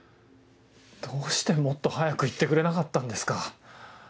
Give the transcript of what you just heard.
どうしてもっと早く言ってくれなかったんですか？